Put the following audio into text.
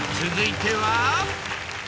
続いては。